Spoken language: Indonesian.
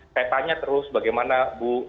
saya tanya terus bagaimana bu